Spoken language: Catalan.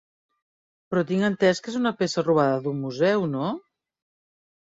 Però tinc entès que és una peça robada d'un museu, no?